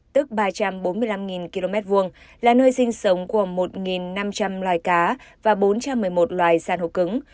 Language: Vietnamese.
tức ba trăm bốn mươi năm km hai là nơi sinh sống của một năm trăm linh loài cá và bốn trăm một mươi một loài san hô cứng